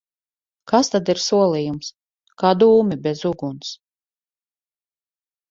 Kas tad ir solījums? Kā dūmi bez uguns!